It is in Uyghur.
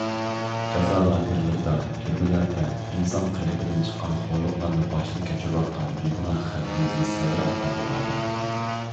جازا لاگېرلىرىدا، تۈرمىلەردە ئىنسان قېلىپىدىن چىققان خورلۇقلارنى باشتىن كەچۈرۈۋاتقان بىگۇناھ خەلقىمىزگە سەۋر ئاتا قىلغايلا.